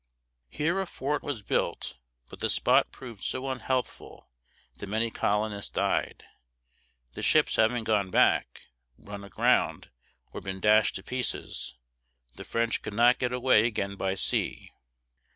Here a fort was built; but the spot proved so unhealthful that many colonists died. The ships having gone back, run aground, or been dashed to pieces, the French could not get away again by sea.